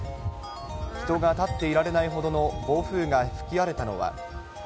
人が立っていられないほどの暴風が吹き荒れたのは。